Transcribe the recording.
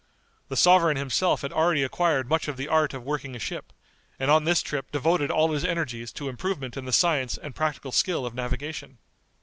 The sovereign himself had already acquired much of the art of working a ship, and on this trip devoted all his energies to improvement in the science and practical skill of navigation.